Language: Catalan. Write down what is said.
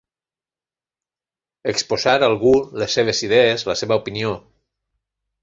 Exposar, algú, les seves idees, la seva opinió.